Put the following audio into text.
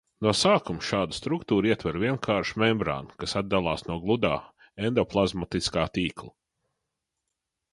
No sākuma šādu struktūru ietver vienkārša membrāna, kas atdalās no gludā endoplazmatiskā tīkla.